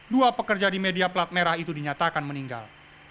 dua pekerja di media plat merah itu dinyatakan meninggal